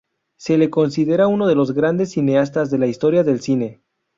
Se le considera uno de los grandes cineastas de la historia del cine.